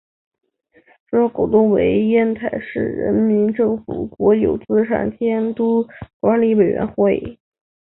主要股东为烟台市人民政府国有资产监督管理委员会。